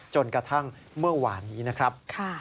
จนกระทั่งเมื่อวานนี้นะครับ